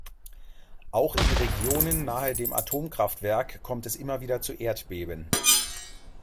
Auch in Regionen nahe dem Atomkraftwerk kommt es immer wieder zu Erdbeben.